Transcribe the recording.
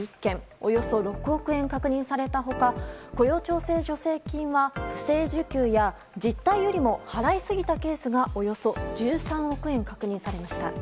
およそ６億円、確認された他雇用調整助成金は不正受給や実態よりも払いすぎたケースがおよそ１３億円、確認されました。